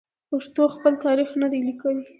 پښتنو خپل تاریخ نه دی لیکلی.